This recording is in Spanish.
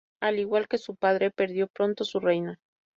Al igual que su padre, perdió pronto su reino.